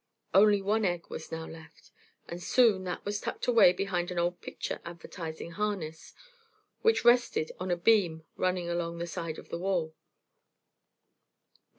Only one egg was now left, and soon that was tucked away behind an old picture advertising harness, which rested on a beam running along the side of the wall.